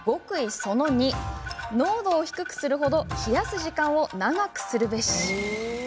その２、濃度を低くするほど冷やす時間を長くするべし。